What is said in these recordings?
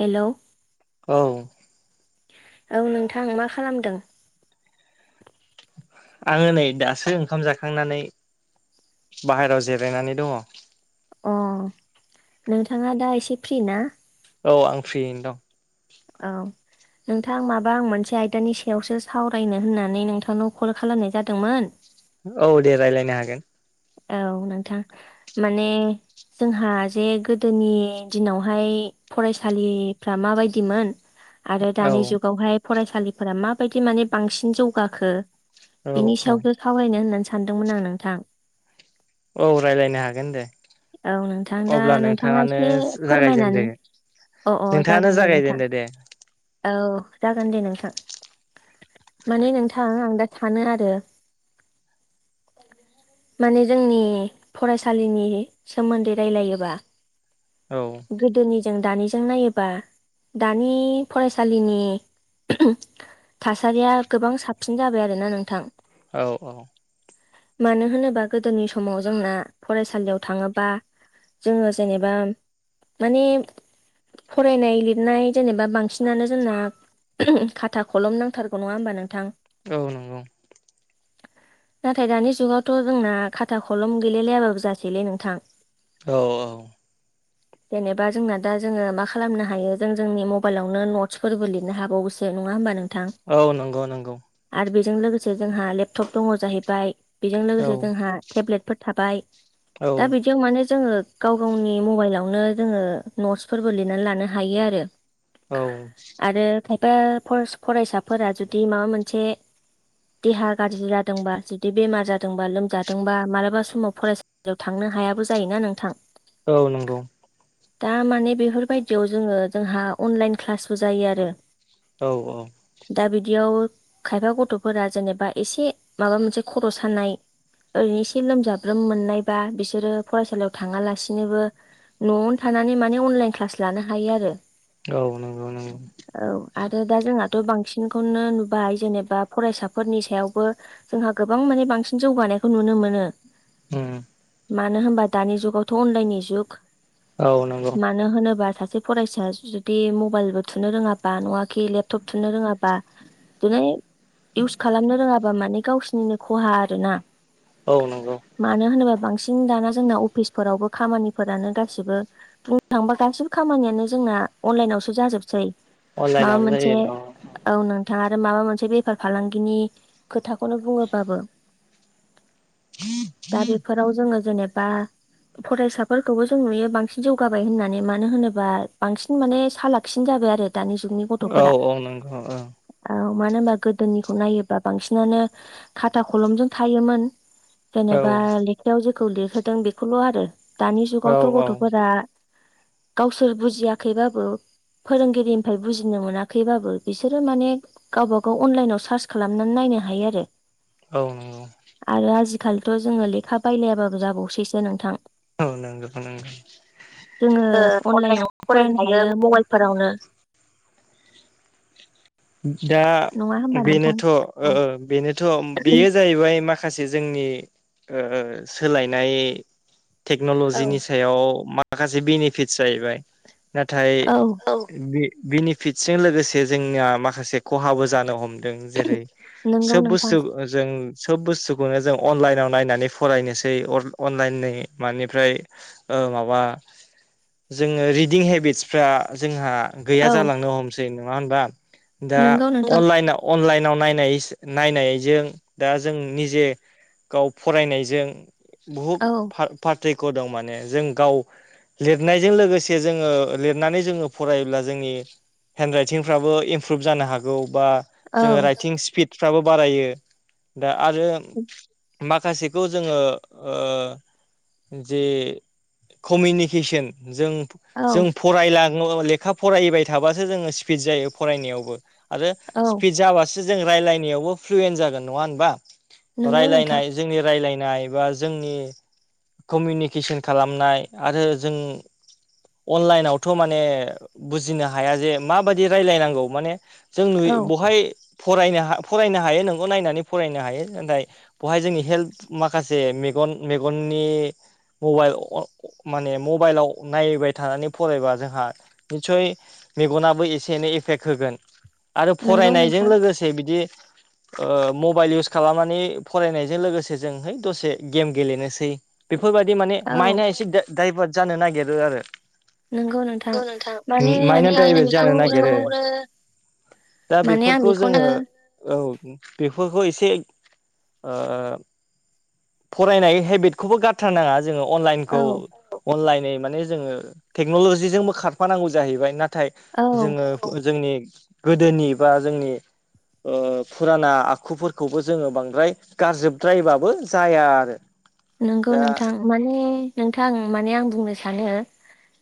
Hello औ औ नोंथां मा खालामदों? आंङो नै दासो ओंखाम जाखांनानै बाहेरायाव जिरायनानै दङ। अ नोंथाङा दा एसे फ्रि ना? औ आं फ्रियैनो दं। औ नोंथां माबा आं मोनसे आयदानि सायावसो सावरायनो होननानै नोंथांनाव कल खालामनाय जादोंमोन। औ दे रायज्लायनो हागोन। औ नोंथां माने जोंहा जे गोदोनि दिनावहाय फरायसालिफ्रा माबायदिमोन आरो दानि जुगावहाय फरायसालिफोरा माबायदि माने बांसिन जौगाखो बिनि सायावसो खावलायनो होननानै सानदोंमोन आं नोंथां। औ रायज्लायनो हागोन दे। औ नोंथां दा नोंथाङा एसे फोरमायनानै अ अ जागोन दे नोंथां औ जागोन दे नोंथां। माने नोंथां आं दा सानो आरो माने जोंनि फरायसालिनि सोमोन्दै रायजलायोबा औ गोदोनि जों दानिजों नायोबा दानि फरायसालिनि थासारिया गोबां साबसिन जाबाय आरोना नोंथां। औ औ मानो होनोबा गोदोनि समाव जोंना फरायसालियाव थाङो बा जोंङो जेनेबा माने फरायनाय लिरनाय जेनेबा बांसिनानो जोंना खाथा खलम नांथारगौ नङा होमबा नोंथां? औ नंगौ नाथाय दानि जुगावथ' जोंना खाथा खलम गैलायलायाबाबो जासैलै नोंथां। औ औ जेनेबा जोंना दा जोंङो मा खालामनो हायो जों जोंनि मबाइलावनो नटसफोरबो लिरनो हाबावोसो नङा होनोमबा नों औ नंगौ नंगौ। आरो बेजों लोगोसे जोंहा लेपटप दङ जाहैबाय बेजों लोगोसे जोंहा टेब्लेटफोर थाबाय दा बिदि जों मानो जोंङो गाव गावनि मबाइलावनो जोंङो नटसफोरबो लिरनानै लानो हायो आरो। आरो खायफा फरायसाफोरा जुदि माबा मोनसे देहा गाज्रि जादोंबा जुदि बेमार जादोंबा लोमजादोंबा मालाबा समाव फरायसा जेराव थांनो हायाबो जायोना नोंथां। औ नंगौ। दा माने बेफोरबायदियाव जोंङो जोंहा अनलाइन क्लासबो जायो आरो। औ औ। दा बिदियाव खायफा गथ'फोरा जेनेबा एसे माबा मोनसे खर' सानाय ओरैनो एसे लोमजाब्रोम मोननायबा बिसोरो फरायसालियाव थाङालासिनोबो न'आवनो थानानै माने अनलाइन क्लास लानो हायो आरो औ नोंगौ नोंगौ। औ आरो दा जोंहाथ' बांसिनखौनो नुबाय जेनेबा फरायसाफोरनि सायावबो जोंहा गोबां माने बांसिन जौगानायखौ नुनो मोनो। उमम मानो होनबा दानि जुगावथ' अनलाइनि जुग औ नंगौ मानो होनोबा सासे फरायसा जुदि मबाइलबो थुनो रोङाबा नङाखि लेपटप थुनो रोङाबा बिदिनो इउस खालामनो रोङाबा माने गावसिोरनिनो खहा आरो ना औ नंगौ मानो होनोबा बांसिन दाना जोंना अफिसफोरावबो खामानिफोरानो गासिबो बुंनो थांङोबा गासिबो खामानियानो जोंना अनलाइनावसो जाजोबसै माबा मोनसे औ नोंथाङा आरो माबा मोनसे बेफार फालांगिनि खोथाखौनो बुङोबाबो दा बेफोराव जोङो जेनेबा फरायसाफोरखौबो जों नुयो बांसिन जौगाबाय होननानै मानो होनोबा बांसिन माने सालाखिन जाबाय आरो दानि जुगनि औ औ नंगौ औ औ मानो होनबा गोदोनिखौ नायोबा बांसिनानो खाथा खलमजों थायोमोन जेनेबा लेखायाव जेखौ लिरहोदों बेखौल' आरो दानि जुगावथ' गथ'फोरा गावसोर बुजियाखैबाबो फोरोंगिरिनिफ्राय बुजिनो मोनाखैबाबो बिसोरो माने गावबाागाव अनलाइनाव सार्च खालामनानै नायनो हायो आरो औ नंगौ आरो आजिखालिथ' जोङो लेखा बायलायाबाबो जाबावसैसो नोंथां जोङो अनलाइनावनो फरायनो हायो मबाइलफोरावनो दा बेनोथ' बेनोथ' बेयो जाहैबाय माखासे माखासे जोंनि ओ सोलायनाय टेक्न'ल'जिनि स सायाव माखासे बेनिफिट जाहैबाय नाथाय बि बि फिटजों लोगोसे जोंनिया माखासे खहाबो जानो हमदों जेरै सोब बुस्थु जों सोब बुस्थुखौनो जों अनलाइनाव नायनानै फरायनोसै अनलाइन मानिफ्राय माबा जोङो रिदिं हेबिट्सफ्रा जोंहा गैया जालांनो हमसै नङा होनबा दा अनलाइन अनलाइनाव नायनाय नायनायजों दा जों निजे गाव फरायनायजों बुहुद फार्थैयख' दं माने जों गाव लिरनायजों लोगोसे जोङो लिरनानै जोङो फरायोब्ला जोंनि हेन्ड राइटिंफ्राबो इमप्रुभ जानो हागौ बा जोङो राइटिं स्पिडफ्राबो बारायो दा आरो माखासेखौ जोङो जे कमिउनिकेसन जों जों फरायला लेखा फरायबाय थाबासो जोङो स्पिड जायो फरायनायावबो आरो स्पिड जाबासो जों रायजलायनायावबो फ्लुयेन्ट जागोन नङा होनबा रायज्लायनाय जोंनि रायज्लायनाय बा जोंनि कमिउनिकेसन खालामनाय आरो जों अनलाइनावथ' माने बुजिनो हाया जे माबायदि रायलायनांगौ माने जों नुयो बहाय फरायनो फरायनो हायो नंगौ नायनानै फरायनो हायो नाथाय बेहाय जोंनि हेल्थ माखासे मेगन मेगननि मबाइल माने मबाइलाव नायबाय थानानै फरायबा जोंहा निसय मेगनाबो एसे एनै एफेक्ट होगोन आरो फरायनायजों लोगोसे बिदि मबाइल इउस खालामनानै फरायनायजों लोगोसे जोंहाय दसे गेम गेलेनोसै बेफोरबायदि माने माइन्डआ एसे दाइभार्ट जानो नागिरो आरो माइन्डा डाइभार्ट जानो नागिरो दा बेफोरखौ जोङो औ बेफोरखौ एसे ओ फरायनाय हेबिटखौबो गारथारनाङा जोङो अनलाइनखौ अनलाइनै माने जोङो टेक्न'ल'जिजोंबो खारफानांगौ जाहैबाय नाथाय जोङो जोंनि गोदोनि बा जोंनि ओ फुराना आखुफोरखौबो जोङो बांद्राय गारजोबद्रायबाबो जाया आरो नोंगौ नोंथां माने नोंथां माने आं बुंनो सानो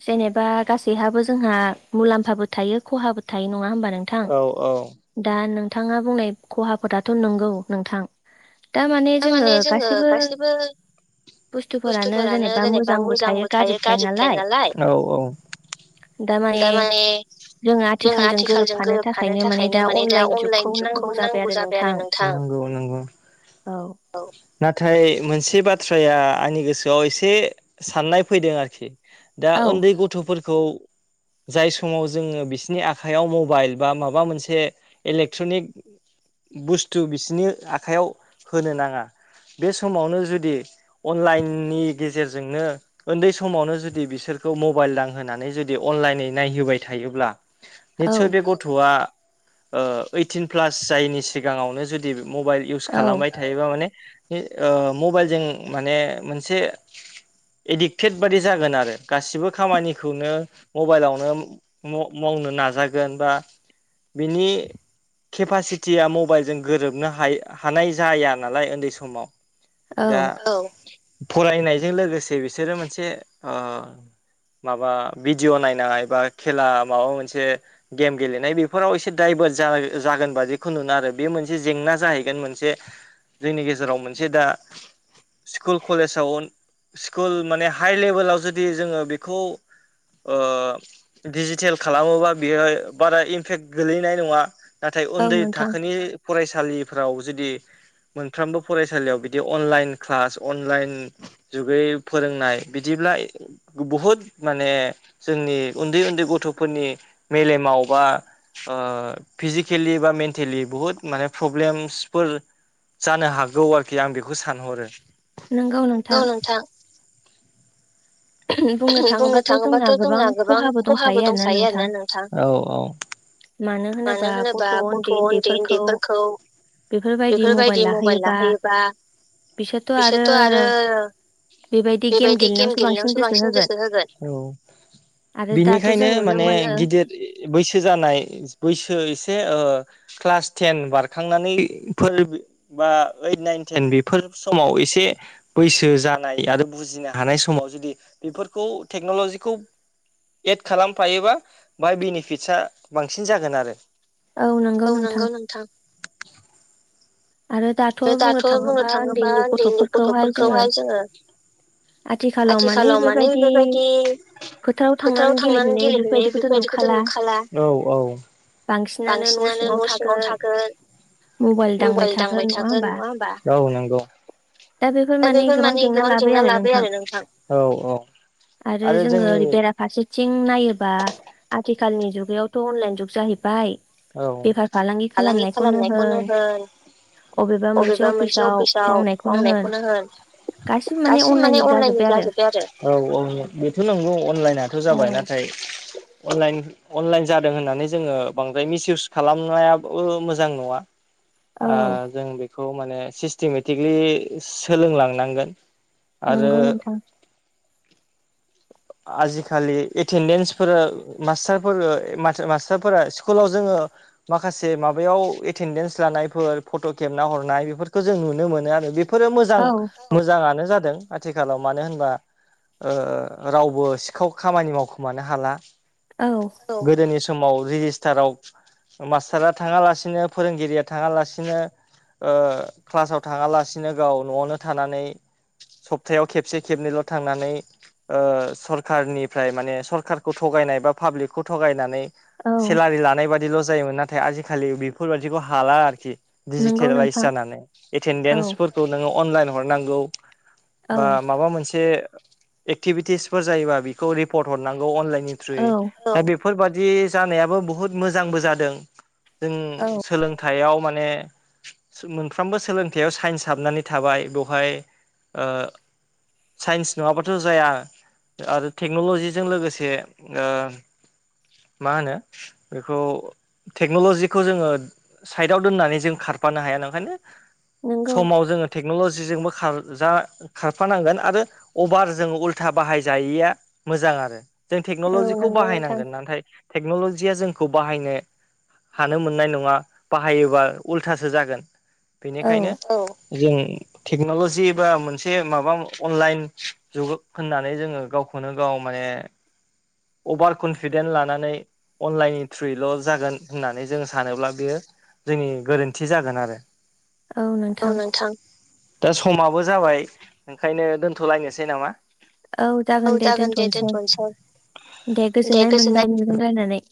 जेनेबा गासैहाबो जोंहा मुलाम्फाबो थायो खहाबो थायो नङा होमबा नों औ औ दा नोंथाङा बुंनाय खहाफोराथ' नंगौ नोंथां दामाने जोङो गासिबो बुस्थुफोरानो जेनेबा मोजांबो थायो गाज्रि थायो नालाय दा माने जोंङ आथिखालजों गोरोबफानो थाखायनो माने दा अनलाइन जुगखौ नांगौ जाबाय आरो नोंथां नंगौ नंगौ औ नाथाय मोनसे बाथ्राया आंनि गोसोआव एसे साननाय फैदों आरोखि दा उन्दै गथ'फोरखौ जाय समाव जोङो बिसिनि आखाइयाव मबाइल बा माबा मोनसे इलेक्ट्रनिक बुस्थु बिसिनि आखाइयाव होनो नाङा बे समावनो जुदि अनलाइननि गेजेरजोंनो उन्दै समावनो जुदि बिसोरखौ मबाइल दांहोनानै जुदि अनलाइनै नायहोबाय थायोब्ला निसय बे गथ'आ ओ ओइटिन प्लास जायैनि सिगाङावनो जुदि मबाइल इउस खालामबाय थायोबा माने ओ मबाइलजों माने मोनसे एडिक्टेड बादि जागोन आरो गासिबो खामानिखौनो मबाइलावनो मावनो नाजागोन बा बिनि केपासिटिया मबाइलजों गोरोबनो हा- हानाय जाया नालाय उन्दै समाव दा फरायनायजों लोगोसे बिसोरो मोनसे ओ माबा भिडिअ' नायनो बा खेला माबा मोनसे गेम गेलेनाय बेफोराव एसे दाइभार्ट जागोन बादिखौ नुनो आरो बे मोनसे जेंना जाहैगोन मोनसे जोंनि गेजेराव मोनसे दा स्कुल कलेजाव स्कुल माने हाइ लेभेलाव जुदि जोङो बेखौ ओ दिडिजिटेल खालामोबा बेहाय बारा इमपेक्ट गोलैनाय नङा नाथाय उन्दै थाखोनि फरायसालिफ्राव जुदि मोनफ्रोमबो फरायसालियाव बिदि अनलाइन क्लास अनलाइन जुगै फोरोंनाय बिदिब्ला बुहुद माने जोंनि उन्दै उन्दै गथ'फोरनि मेलेमाव बा ओ फिजिकेलि बा मेन्टेलि बुहुत माने प्रब्लेमसफोर जानो हागौ आरोखि आं बेखौ सानहरो । नोंगौ नोंथां बुंनो थाङोबाथ' जोंना गोबां खहाबो दंखायो आरोना नोंथां औ औ मानो होनोबा गथ' उन्दै उन्दैफोरखौ बेफोरबायदि मबाइल लाहोयोबा बिसोरथ' आरो बेबायदि गेम गेलेनायावसो बांसिन गोसो होगोन बिनिखायनो माने गिदिर बैसो जानाय बैसो एसे ओ क्लास टेन बारखांनानै फोर बा ओइद नाइन टेन बेफोर समाव एसे बैसो जानाय आरो बुजिनो हानाय समाव जुदि बेफोरखौ टेक्न'ल'जिखौ एड खालामफायोबा बाय बेनिफिटसा बांसिन जागोन आरो औ नंगौ नोंथां आरो दाथ' बुंनो थाङोबा उन्दै उन्दै गथ'फोरखौहाय जोङो आथिखालाव माने बेबायदि फोथाराव थांनानै गेलेहैनाय बेफोरबायदिखौथ' नुखाला बांसिनानो न' सिङाव थागोन मबाइल दांबाय थागोन। थागोन नङा होमबा? दा बेफोर माने गोबां जेंना लाबोयो आरो नोंथां। आरो जोङो ओरै बेरा फारसेथिं नायोबा आथिखालनि जुगायावथ' अनलाइन जुग जाहैबाय औ। अबेबा मोनसे अफिसाव मावनायखौनो होन। दासिम माने अनलाइनजों जाजोब्बाय आरो। औ औ बेथ' नंगौ अनलाइनाथ' जाबाय नाथाय अलाइ अनलाइन जादों होननानै जोङो बां द्राय मिसयउस खालामनायाबो मोजां नङा जों बेखौ माने सिस टेममेटिकलि सोलोंलांनांगोन। आरो आजिखालि एटेडेन्सफोरा मास्टारफोर मास-मास्टारफोरा स्कुलाव जोङो माखासे माबायाव एटेडेन्स लानायफोर फट' खेबना हरनाय बेफोरखौ जों नुनो मोनो आरो। बे बेफोरो मोजां मोजाङानो जादों । आथिखालाव मानो होनबा ओ रावबो सिखाव खामानि मावखोमानो हाला। औ औ गोदोनि समाव रेजिस्टाराव मास्टारा थाङा लासिनो फोरोंगिरिया थाङा लासिनो ओ क्लासाव थाङालासिनो गाव न'आवनो थानानै सप्तायाव खेबसे खेबनैल' थांनानै ओ सरखारनिफ्राय माने सरखारखौ थगायनाय बा पाब्लिकखौ थगायनानै सेलारि लानाय बादिल' जायोमोन नाथाय आजिखालि बेफोरबायाददिखौ हाला आरोखि दिडिजिटेलाइस जानानै एटेनडेन्सफोरखौ नोङो अनलाइन हरनांगौ। बा माबा मोनसे एक्टिभिटिसफोर जायोबा बिखौ रिपर्ट हरनांगौ अनलाइननि थ्रुयै । दा बेफोरबादि जानायाबो बुहुत मोजांबो जादों जों सोलों थायाव माने मोनफ्रोमबो सोलोंथाइयाव साइन्स हाबनानै थाबाय बेवहाय ओ साइन्स नङाबा थ' जाया आरो टेक्न'ल'जिजों लोगोसे ओ मा होनो बेखौ टेक्न'ल'जिखौ जोङो साइदाव दोननानै जों खारफानो हाया ओंखायनो समाव जोङो टेक्न'लजिजोंबो खारजा खारफानांगोन आरो अभार जोङो उल्था बाहायजायिया मोजां आरो जों टेक्न'लजिखौ बाहायनांगोन नाथाय टेक्नल'जिया जोंखौ बाहायनो हानो मोननाय नङा बाहायोबा उल्थासो जागोन। बेनिखायनो जों टेक्न'लजि बा मोनसे माबा अनलाइन जुग होननानै जोङो गावखौनो गाव माने अभार कनफिदेन लानानै अनलाइननि थ्रुयैल' जागोन होननानै जों सानोब्ला बेयो जोंनि गोरोन्थि जागोन आरो। औ नोंथां दा समाबो जाबाय ओंखायनो दोनथ'लायनोसै नामा? औ जागोन दे दोनथ'नोसै दे गोजोननाय मोनबाय नोंजों रायनानै।